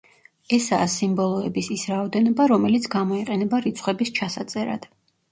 ესაა სიმბოლოების ის რაოდენობა რომელიც გამოიყენება რიცხვების ჩასაწერად.